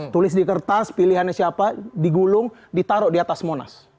tulis di kertas pilihannya siapa digulung ditaruh di atas monas